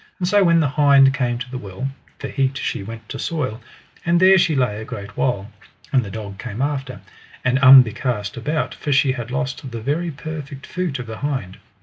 And so when the hind came to the well, for heat she went to soil, and there she lay a great while; and the dog came after, and umbecast about, for she had lost the very perfect feute of the hind.